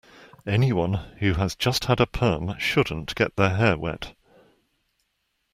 Anyone who has just had a perm shouldn't get their hair wet.